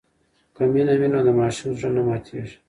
که مینه وي نو د ماشوم زړه نه ماتېږي.